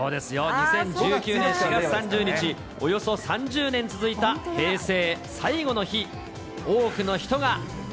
２０１９年４月３０日、およそ３０年続いた平成最後の日。